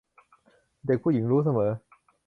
เด็กผู้หญิงรู้เสมอ